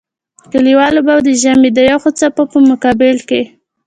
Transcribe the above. کلیوالو به د ژمي د يخو څپو په مقابل کې.